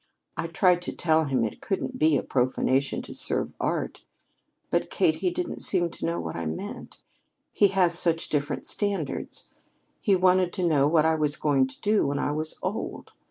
I tried to tell him it couldn't be a profanation to serve art; but, Kate, he didn't seem to know what I meant. He has such different standards. He wanted to know what I was going to do when I was old.